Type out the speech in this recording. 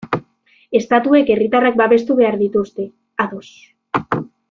Estatuek herritarrak babestu behar dituzte, ados.